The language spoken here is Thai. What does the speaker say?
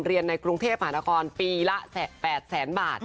เรียนในกรุงเทพหมาตรกรปีละ๘แสนบาท